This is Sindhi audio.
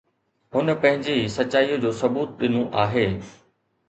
هن پنهنجي سچائي جو ثبوت ڏنو آهي